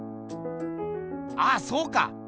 ああそうか！